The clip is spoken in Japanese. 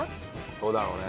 そうだろうね。